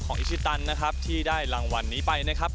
อิชิตันนะครับที่ได้รางวัลนี้ไปนะครับ